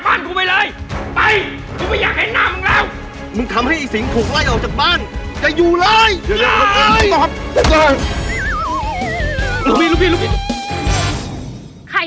แบบนี้ก็ได้